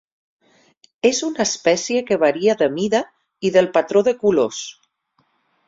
És una espècie que varia de mida i del patró de colors.